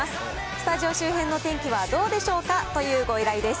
スタジオ周辺の天気はどうでしょうかというご依頼です。